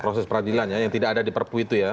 proses peradilan ya yang tidak ada di perpu itu ya